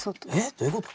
どういうこと？